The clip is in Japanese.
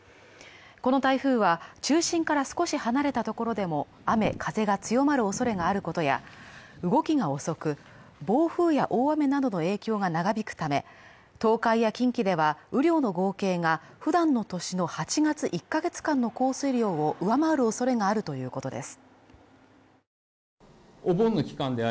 この台風は中心から少し離れたところでも雨・風が強まるおそれがあることから動きが遅く、暴風や大雨の影響が長引くため、東海や近畿では雨量の合計がふだんの年の８月１か月間の降水量を上回るおそれがあるということです。